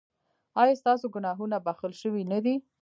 ایا ستاسو ګناهونه بښل شوي نه دي؟